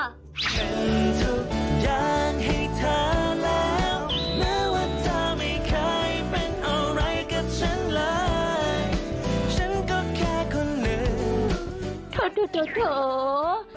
เป็นทุกอย่างให้เธอแล้วแม้ว่าเธอไม่เคยเป็นอะไรกับฉันล่ะฉันก็แค่คนหนึ่ง